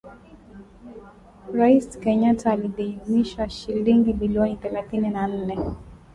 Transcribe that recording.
Rais Kenyatta aliidhinisha shilingi bilioni thelathini na nne